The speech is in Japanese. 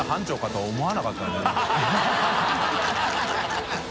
ハハハ